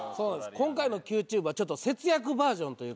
今回の「ＱＴｕｂｅ」はちょっと節約バージョンということで。